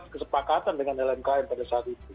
kesepakatan dengan lmkn pada saat itu